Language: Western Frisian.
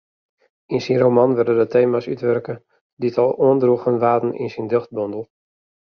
Yn syn roman wurde de tema's útwurke dy't al oandroegen waarden yn syn dichtbondel.